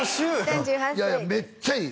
３８歳いやいやめっちゃいい！